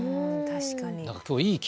確かに。